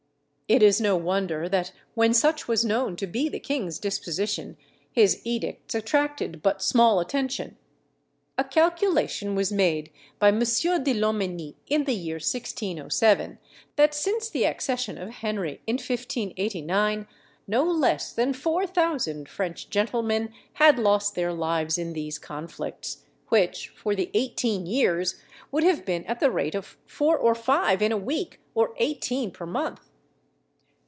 It is no wonder that when such was known to be the king's disposition, his edicts attracted but small attention. A calculation was made by M. de Lomenie, in the year 1607, that since the accession of Henry, in 1589, no less than four thousand French gentlemen had lost their lives in these conflicts; which, for the eighteen years, would have been at the rate of four or five in a week, or eighteen per month!